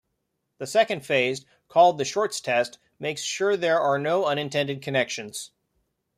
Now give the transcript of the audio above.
The second phase, called the "shorts test" makes sure there are no unintended connections.